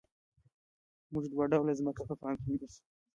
موږ دوه ډوله ځمکه په پام کې نیسو